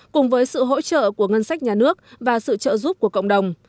cùng với sự hỗ trợ của ngân sách nhà nước và sự trợ giúp của cộng đồng